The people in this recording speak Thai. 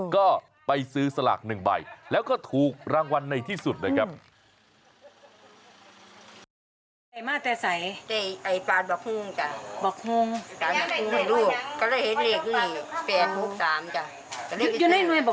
ก็ไปซื้อสลาก๑ใบแล้วก็ถูกรางวัลในที่สุดนะครับ